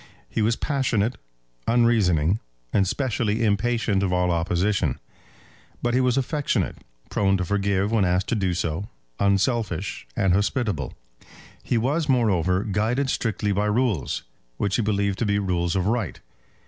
He was passionate, unreasoning, and specially impatient of all opposition; but he was affectionate, prone to forgive when asked to do so, unselfish, and hospitable. He was, moreover, guided strictly by rules, which he believed to be rules of right.